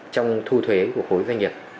trong thu thuế của khối doanh nghiệp